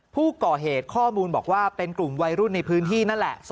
ผู้ก่อเหตุข้อมูลบอกว่าเป็นกลุ่มวัยรุ่นในพื้นที่นั่นแหละ